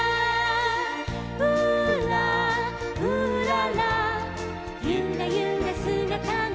「うーらうーらら」「ゆらゆらすがたが」